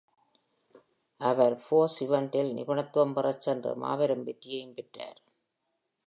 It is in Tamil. அவர் "Fours Event"இல் நிபுணத்துவம் பெற சென்று, மாபெரும் வெற்றியையும் பெற்றார்.